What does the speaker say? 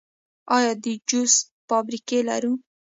آیا د جوس فابریکې لرو؟